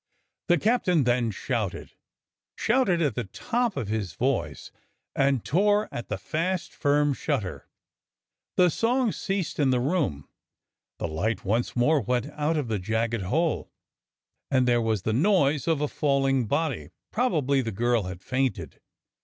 The captain then shouted, shouted at the top of his voice, and tore at the fast, firm shutter. The song ceased in the room. The light once more went out of the jagged hole, and there was the noise of a falling THE DOCTOR SINGS A SONG 125 body. Probably the girl had fainted.